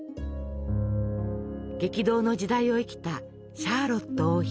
激動の時代を生きたシャーロット王妃。